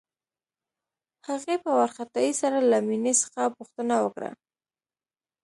هغې په وارخطايۍ سره له مينې څخه پوښتنه وکړه.